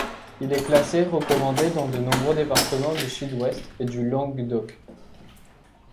Il est classé recommandé dans de nombreux départements du Sud-Ouest et du Languedoc.